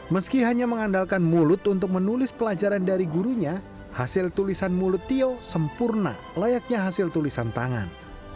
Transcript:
meski hanya mengandalkan mulut untuk menulis pelajaran dari gurunya hasil tulisan mulut tio sempurna layaknya hasil tulisan tangan